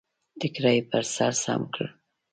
ټکری يې پر سر سم کړ.